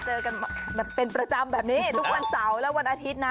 เจอกันแบบเป็นประจำแบบนี้ทุกวันเสาร์และวันอาทิตย์นะ